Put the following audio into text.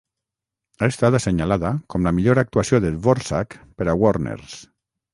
Ha estat assenyalada com la millor actuació de Dvorak per a Warners.